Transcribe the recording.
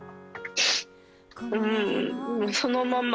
うんもうそのまま。